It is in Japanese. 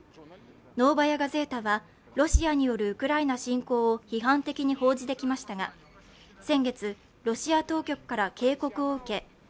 「ノーバヤ・ガゼータ」はロシアによるウクライナ侵攻を批判的に報じてきましたが先月、ロシア当局から警告を受け